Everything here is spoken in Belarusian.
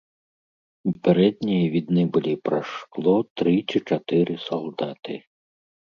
У пярэдняй відны былі праз шкло тры ці чатыры салдаты.